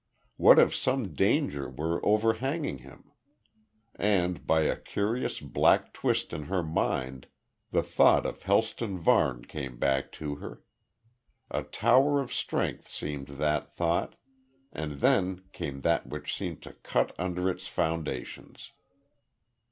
What if some danger were overhanging him? And by a curious back twist in her mind the thought of Helston Varne came back to her. A tower of strength seemed that thought and then came that which seemed to cut under its foundations.